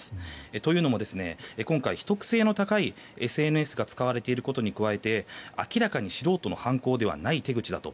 というのも、今回秘匿性の高いＳＮＳが使われていることに加えて明らかに素人の犯行ではない手口だと。